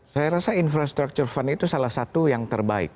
saya rasa infrastructure fund itu salah satu yang terbaik